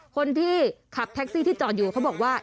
คนที่ขับแท็กซี่ที่จอดอยู่เขาบอกว่า